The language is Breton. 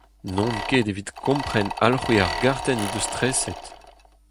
N'on ket evit kompren alc'hwez ar gartenn he deus treset.